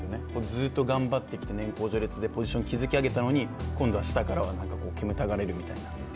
ずっと頑張ってきて年功序列でポジションを築き上げたのに今度は下からは煙たがられるみたいな。